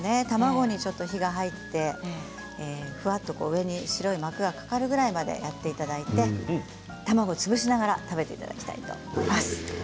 卵にちょっと火が入ってふわっと上に白い膜がかかるぐらいまでやっていただいて卵を潰して食べていただきたいと思います。